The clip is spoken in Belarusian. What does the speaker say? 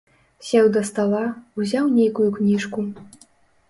Сеў да стала, узяў нейкую кніжку.